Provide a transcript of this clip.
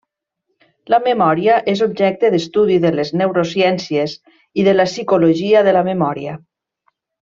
La memòria és objecte d'estudi de les neurociències i de la psicologia de la memòria.